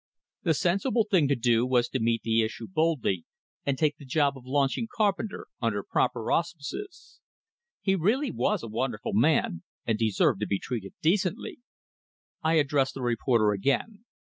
The sensible thing to do was to meet the issue boldly, and take the job of launching Carpenter under proper auspices. He really was a wonderful man, and deserved to be treated decently. I addressed the reporter again.